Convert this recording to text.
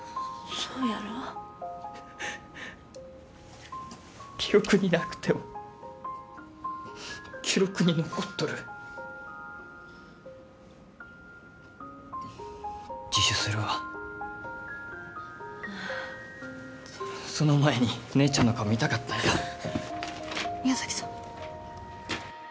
そうやろ記憶になくても記録に残っとる自首するわその前に姉ちゃんの顔見たかったんや宮崎さん